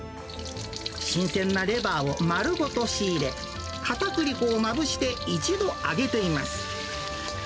新鮮なレバーを丸ごと仕入れ、かたくり粉をまぶして、一度揚げています。